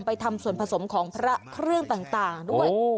ทำส่วนผสมของพระเครื่องต่างด้วย